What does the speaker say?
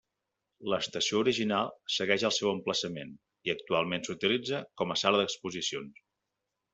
L'estació original segueix al seu emplaçament i actualment s'utilitza com a sala d'exposicions.